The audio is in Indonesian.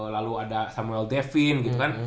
lalu ada samuel devim gitu kan